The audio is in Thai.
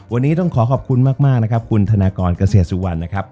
วันนี้ต้องขอขอบคุณมากนะครับคุณธนากรเกษตรสุวรรณนะครับ